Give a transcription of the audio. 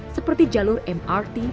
seperti jalur mrt